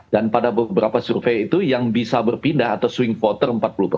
dan pada beberapa survei itu yang bisa berpindah atau swing voter empat puluh